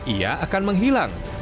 ia akan menghilang